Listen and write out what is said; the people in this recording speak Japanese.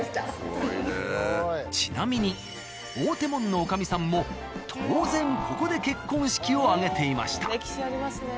ちなみに「大手門」の女将さんも当然ここで結婚式を挙げていました。